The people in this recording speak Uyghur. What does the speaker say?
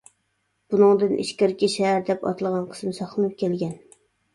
بۇنىڭدىن «ئىچكىرىكى شەھەر» دەپ ئاتالغان قىسمى ساقلىنىپ كەلگەن.